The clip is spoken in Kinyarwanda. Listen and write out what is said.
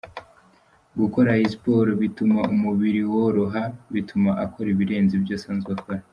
Gukora iyi siporo bituma umubiri woroha bituma akora ibirenze ibyo asanzwe akora.